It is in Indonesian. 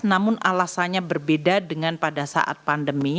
namun alasannya berbeda dengan pada saat pandemi